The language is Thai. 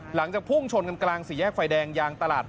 หลังจากพุ่งชนกันกลางสี่แยกไฟแดงยางตลาด